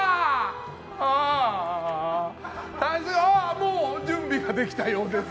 もう、準備ができたようです。